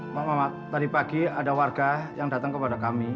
pak mohamad tadi pagi ada orang datang ke kuburja kami